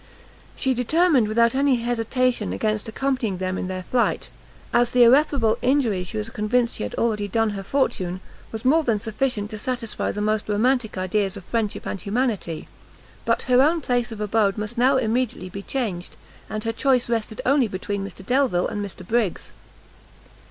She determined without any hesitation against accompanying them in their flight, as the irreparable injury she was convinced she had already done her fortune, was more than sufficient to satisfy the most romantic ideas of friendship and humanity; but her own place of abode must now immediately be changed, and her choice rested only between Mr Delvile and Mr Briggs.